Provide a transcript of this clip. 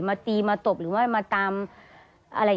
เพื่อที่จะได้หายป่วยทันวันที่เขาชีจันทร์จังหวัดชนบุรี